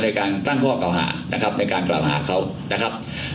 ในการตั้งพ่อกล่าวหาเขา